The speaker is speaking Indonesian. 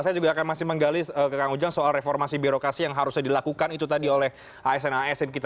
saya juga akan masih menggali ke kang ujang soal reformasi birokrasi yang harusnya dilakukan itu tadi oleh asn asn kita